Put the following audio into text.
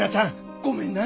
ごめんね